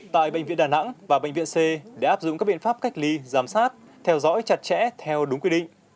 tại bệnh viện đà nẵng và bệnh viện c để áp dụng các biện pháp cách ly giám sát theo dõi chặt chẽ theo đúng quy định